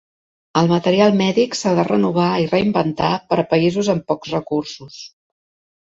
El material mèdic s'ha de renovar i reinventar per a països amb pocs recursos.